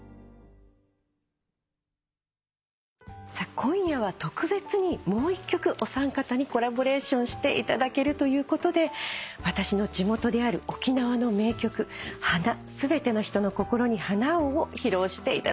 今夜は特別にもう１曲お三方にコラボレーションしていただけるということで私の地元である沖縄の名曲『花すべての人の心に花を』を披露していただきたいと思います。